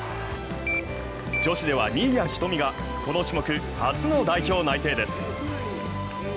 女子では新谷仁美がこの種目初の代表内定です。